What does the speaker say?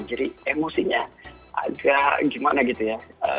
jadi emosinya agak gimana gitu ya